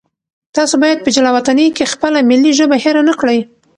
تاسو باید په جلاوطنۍ کې خپله ملي ژبه هېره نه کړئ.